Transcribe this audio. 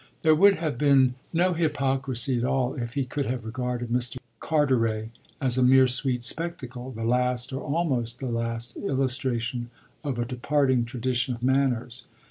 There would have been no hypocrisy at all if he could have regarded Mr. Carteret as a mere sweet spectacle, the last or almost the last illustration of a departing tradition of manners.